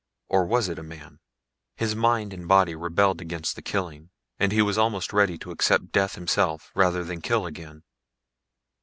Or was it a man? His mind and body rebelled against the killing, and he was almost ready to accept death himself, rather than kill again.